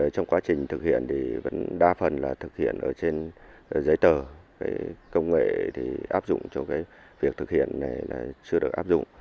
trong quá trình thực hiện thì vẫn đa phần là thực hiện ở trên giấy tờ công nghệ thì áp dụng cho việc thực hiện này là chưa được áp dụng